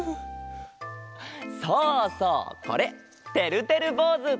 そうそうこれてるてるぼうず！